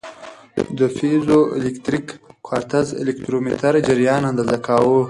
د پیزوالکتریک کوارتز الکترومتر جریان اندازه کاوه.